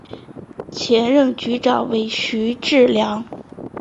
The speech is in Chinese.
前任局长为许志梁。